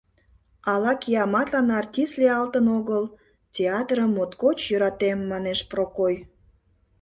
«Ала кияматлан артист лиялтын огыл, театрым моткоч йӧратем», — манеш Прокой.